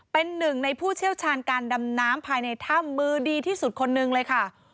เป็นหนึ่งในผู้เชี่ยวชาญการดำน้ำภายในถ้ำมือดีที่สุดคนหนึ่งเลยค่ะ